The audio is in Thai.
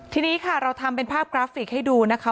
ทีนี้ค่ะเราทำเป็นภาพกราฟิกให้ดูนะคะ